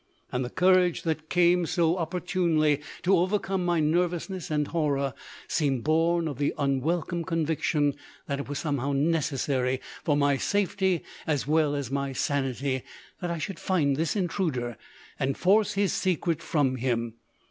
And the courage that came so opportunely to overcome my nervousness and horror seemed born of the unwelcome conviction that it was somehow necessary for my safety as well as my sanity that I should find this intruder and force his secret from him.